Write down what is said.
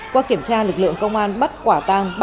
qua kiểm tra lực lượng công an bắt quả tăng